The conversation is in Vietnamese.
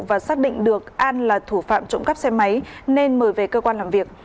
và xác định được an là thủ phạm trộm cắp xe máy nên mời về cơ quan làm việc